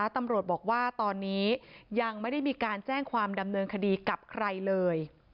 ตำรวจบอกว่าตอนนี้ยังไม่ได้มีการแจ้งความดำเนินคดีกับใครเลย